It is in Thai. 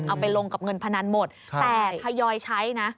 เอาไปลงกับเงินพนันหมดแต่ทยอยใช้นะ